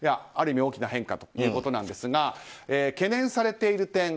ある意味、大きな変化ということなんですが懸念されている点